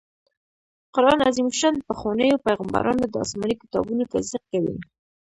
قرآن عظيم الشان د پخوانيو پيغمبرانو د اسماني کتابونو تصديق کوي